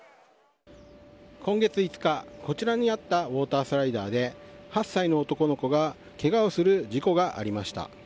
今月５日、こちらにあったウォータースライダーで８歳の男の子がけがをする事故がありました。